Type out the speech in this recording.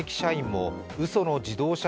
もうその自動車